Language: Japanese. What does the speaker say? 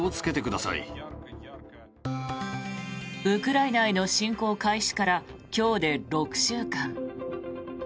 ウクライナへの侵攻開始から今日で６週間。